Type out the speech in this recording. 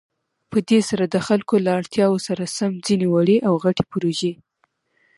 په دې سره د خلكو له اړتياوو سره سم ځينې وړې او غټې پروژې